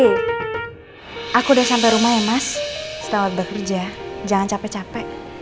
aku udah sampai rumah ya mas selamat bekerja jangan capek capek